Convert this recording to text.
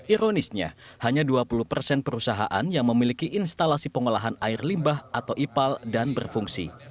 ironisnya hanya dua puluh persen perusahaan yang memiliki instalasi pengolahan air limbah atau ipal dan berfungsi